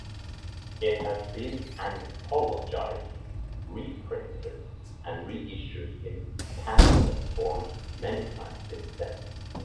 It has been anthologized, reprinted, and reissued in pamphlet form many times since then.